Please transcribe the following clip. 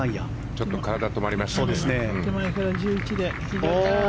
ちょっと体、止まりましたね。